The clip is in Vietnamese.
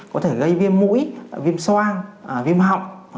có thể gây viêm mũi viêm soan viêm họng